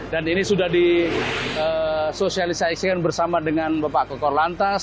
dan ini sudah disosialisasikan bersama dengan bapak kokor lantas